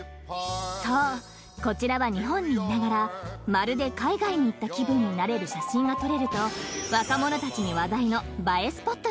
［そうこちらは日本にいながらまるで海外に行った気分になれる写真が撮れると若者たちに］